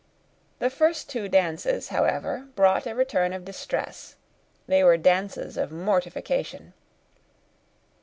The two first dances, however, brought a return of distress: they were dances of mortification.